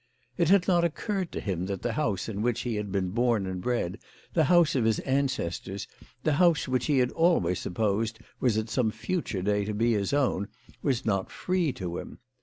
It had not occurred to him that the house in which he had been born and bred, the house of his ancestors, the house which he had always supposed was at some future day to be his own, was not free to him.